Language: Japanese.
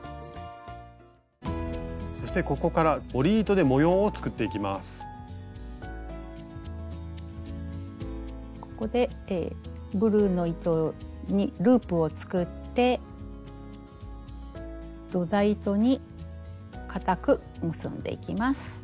そしてここからここでブルーの糸にループを作って土台糸に固く結んでいきます。